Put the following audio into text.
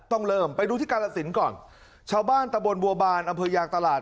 ต้องเริ่มไปดูที่กาลสินก่อนชาวบ้านตะบนบัวบานอำเภอยางตลาด